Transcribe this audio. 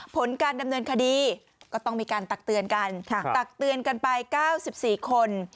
ผลการดำเนินคดีก็ต้องมีการตักเตือนกันตักเตือนกันไป๙๔คน